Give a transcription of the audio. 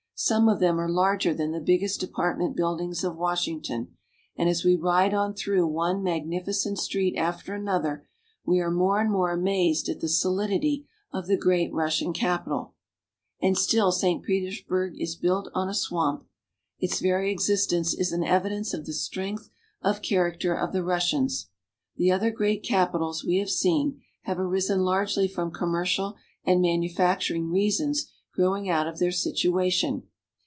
Some of them are larger than the biggest department buildings of Wash ington, and as we ride on through one magnificent street after another we are more and more amazed at the solidity of the great Russian capital. And still St. Petersburg is built on a swamp. Its very existence is an evidence of the strength of character of the Russians. The other great capitals, we have seen, have arisen largely from commercial and manufacturing reasons growing out of their situation.